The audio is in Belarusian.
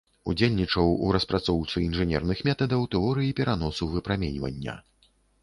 Удзельнічаў у распрацоўцы інжынерных метадаў тэорыі пераносу выпраменьвання.